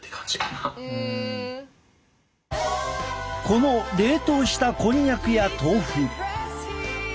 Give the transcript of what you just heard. この冷凍したこんにゃくや豆腐。